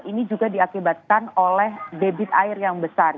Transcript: ini juga diakibatkan oleh debit air yang besar